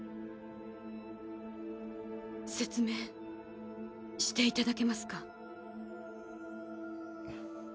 説明していただけますか？